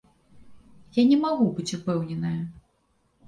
Я не магу быць упэўненая.